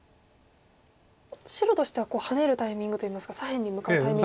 白としてはハネるタイミングといいますか左辺に向かうタイミングができた。